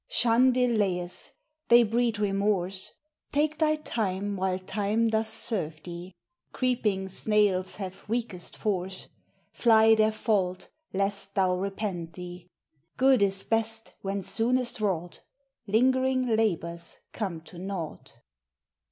Shux delaves, thev breed remorse, Take thy time while time doth serve thee, Creeping snayles have weakest force, Flie their fault, lest thou repent thee. Good is best when soonest wrought. Lingering labours come to nought.